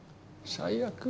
最悪。